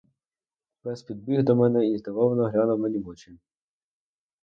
Пес підбіг до мене і здивовано глянув мені в очі.